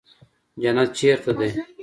جنت چېرته دى.